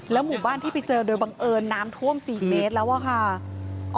แล้วหมู่บ้านที่ไปเจอโดยบังเอิญน้ำท่วมสี่เมตรแล้วว่าแหละค่ะ